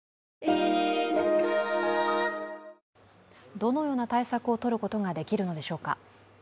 どのような対策をとることができるのでしょうか。